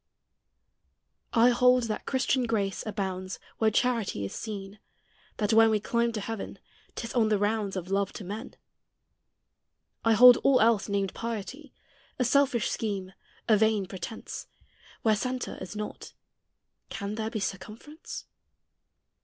I hold that Christian grace abounds Where charity is seen; that when We climb to heaven, 't is on the rounds Of love to men. I hold all else, named piety, A selfish scheme, a vain pretence; Where centre is not can there be Circumference?